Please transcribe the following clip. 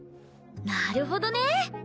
なるほどね！